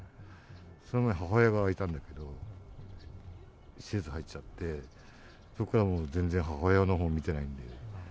その前、母親がいたんだけど、施設入っちゃって、それからはもう全然、母親のほうは見てないんで。